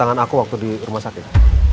tangan aku waktu di rumah sakit